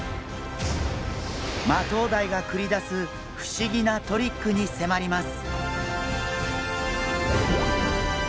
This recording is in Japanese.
マトウダイが繰り出す不思議なトリックに迫ります！